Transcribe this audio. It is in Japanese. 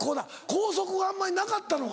校則があんまりなかったのか。